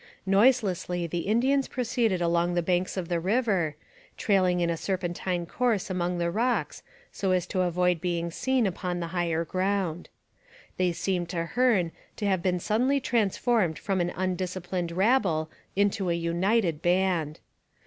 Noiselessly the Indians proceeded along the banks of the river, trailing in a serpentine course among the rocks so as to avoid being seen upon the higher ground. They seemed to Hearne to have been suddenly transformed from an undisciplined rabble into a united band.